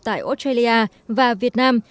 tại australia và việt nam